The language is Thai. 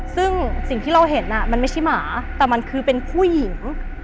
ซึ่งสิ่งที่เราเห็นมันไม่ใช่หมาแต่มันคือเป็นผู้หญิง